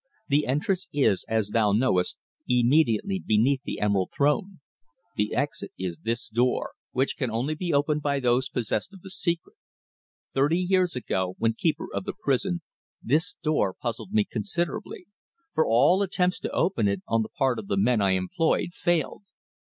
The entrance is, as thou knowest, immediately beneath the Emerald Throne; the exit is this door, which can only be opened by those possessed of the secret. Thirty years ago, when Keeper of the Prison, this door puzzled me considerably, for all attempts to open it on the part of the men I employed failed.